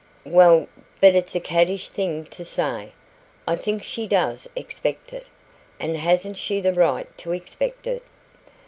"Well but it's a caddish thing to say I think she does expect it. And hasn't she the right to expect it?